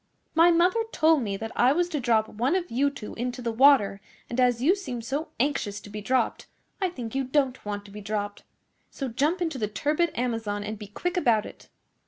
My mother told me that I was to drop one of you two into the water, and as you seem so anxious to be dropped I think you don't want to be dropped. So jump into the turbid Amazon and be quick about it.